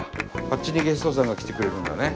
あっちにゲストさんが来てくれるんだね。